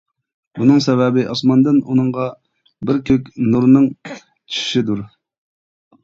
بۇنىڭ سەۋەبى ئاسماندىن ئۇنىڭغا بىر كۆك نۇرنىڭ چۈشىشىدۇر.